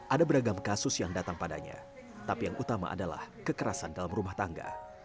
ada beragam kasus yang datang padanya tapi yang utama adalah kekerasan dalam rumah tangga